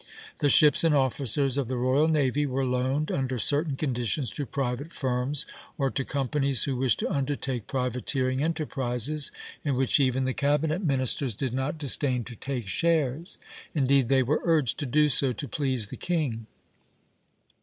"The ships and officers of the royal navy were loaned, under certain conditions, to private firms, or to companies who wished to undertake privateering enterprises, in which even the cabinet ministers did not disdain to take shares;" indeed, they were urged to do so to please the king.